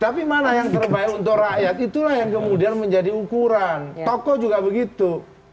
tapi mana yang terbaik untuk rakyat itulah yang kemudian menjadi ukuran tokoh juga begitu